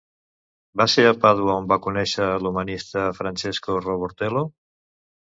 Va ser a Pàdua on va conèixer l'humanista Francesco Robortello?